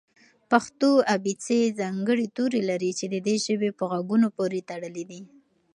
پښتو ابېڅې ځانګړي توري لري چې د دې ژبې په غږونو پورې تړلي دي.